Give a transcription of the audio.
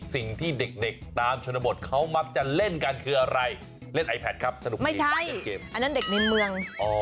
สิ่งที่เด็กตามชนบทเขามักจะเล่นกันคืออะไรเล่นไอแพทครับสนุกไม่ใช่เกมอันนั้นเด็กในเมือง